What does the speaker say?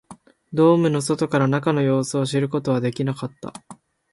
ドームの外から中の様子を知ることはできなかった